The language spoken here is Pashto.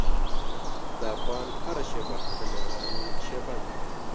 د افغان هره شېبه د میړانې شېبه ده.